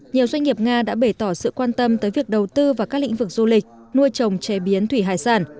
nhiều doanh nghiệp nga đã bể tỏ sự quan tâm tới việc đầu tư vào các lĩnh vực du lịch nuôi trồng chế biến thủy hải sản